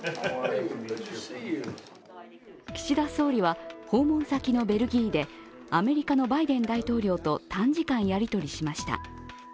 岸田総理は、訪問先のベルギーでアメリカのバイデン大統領と短時間やり取りしました。